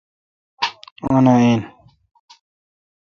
آں آ ۔این